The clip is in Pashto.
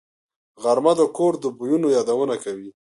غرمه د کور د بویونو یادونه کوي